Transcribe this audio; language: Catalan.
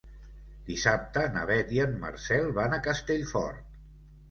Dissabte na Beth i en Marcel van a Castellfort.